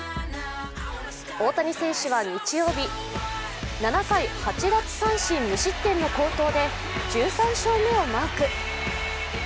大谷選手は日曜日、７回８奪三振無失点の好投で１３勝目をマーク。